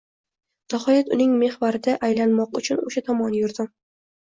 Nihoyat uning mehvarida aylanmoq uchun o’sha tomon yurdim.